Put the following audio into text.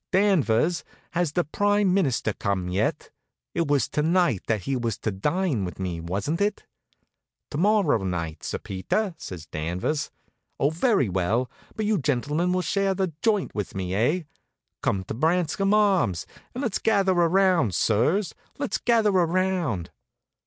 Danvers, has the prime minister come yet? It was to night that he was to dine with me, wasn't it?" "To morrow night, Sir Peter," says Danvers. "Oh, very well. But you gentlemen will share the joint with me, eh? Welcome to Branscomb Arms! And let's gather around, sirs, let's gather around!"